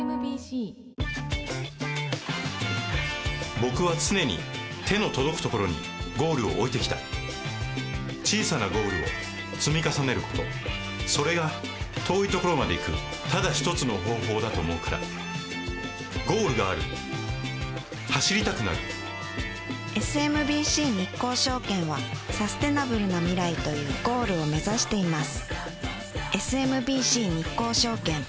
僕は常に手の届くところにゴールを置いてきた小さなゴールを積み重ねることそれが遠いところまで行くただ一つの方法だと思うからゴールがある走りたくなるＳＭＢＣ日興証券はサステナブルな未来というゴールを目指しています